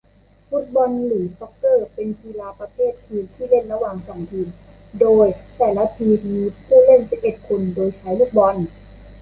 ฟุตบอล หรือ ซอกเกอร์ เป็นกีฬาประเภททีมที่เล่นระหว่างสองทีมโดยแต่ละทีมมีผู้เล่นสิบเอ็ดคน โดยใช้ลูกบอล